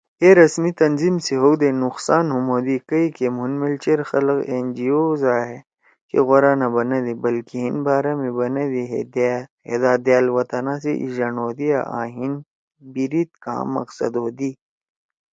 اے رسمی تنظیم سی ہؤدے نقصان ہُم ہودی کئیکہ مُھن میل چیر خلگ این جی اوزا ئے کی غورا نہ بنَدی بلکہ ہیِن بارا می بنَدی ہے دا دأل وطنا سی ایجنٹ ہودی آں ہیِن بیِریِت کآں مقصد ہودی۔